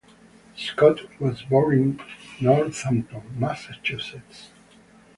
Scott was born in Northampton, Massachusetts.